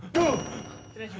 失礼します。